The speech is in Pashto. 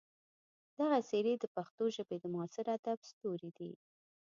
دغه څېرې د پښتو ژبې د معاصر ادب ستوري دي.